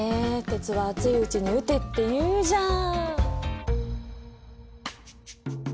「鉄は熱いうちに打て」っていうじゃん！